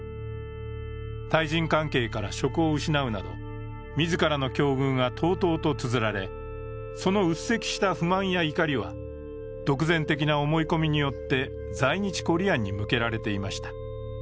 対人関係から職を失うなど自らの境遇がとうとうとつづられそのうっせきした不満や怒りは、独善的な思い込みによって在日コリアンに向けられていました。